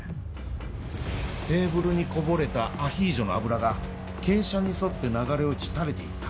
テーブルにこぼれたアヒージョの油が傾斜に沿って流れ落ち垂れていった。